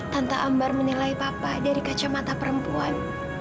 tante amar menilai papa dari kacamata perempuan